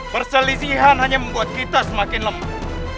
perselisihan hanya membuat kita semakin lembut